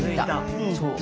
そう。